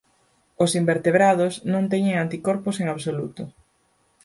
Os invertebrados non teñen anticorpos en absoluto.